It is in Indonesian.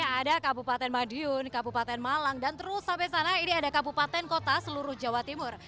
ada kabupaten madiun kabupaten malang dan terus sampai sana ini ada kabupaten kota seluruh jawa timur